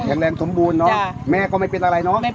แรงสมบูรณเนาะแม่ก็ไม่เป็นอะไรเนาะ